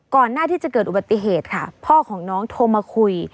หน้าที่จะเกิดอุบัติเหตุค่ะพ่อของน้องโทรมาคุย